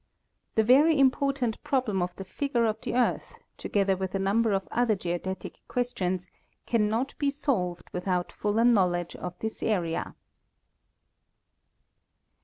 * The very important problem of the figure of the earth, together with a number of other geodetic questions, cannot be solved without fuller knowledge of this area.